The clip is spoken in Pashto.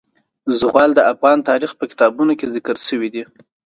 زغال د افغان تاریخ په کتابونو کې ذکر شوی دي.